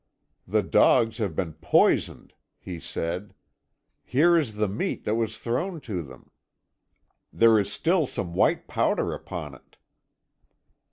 "'The dogs have been poisoned,' he said, 'here is the meat that was thrown to them. There is still some white powder upon it.'